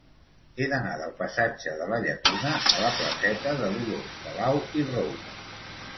He d'anar del passatge de la Llacuna a la placeta de Dolors Palau i Roura.